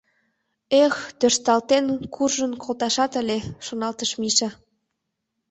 «Эх, тӧршталтен, куржын колташет ыле», — шоналтыш Миша.